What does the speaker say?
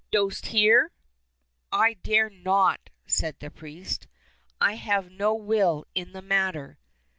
Dost hear ?"—" I dare not," said the priest, " I have no will in the matter."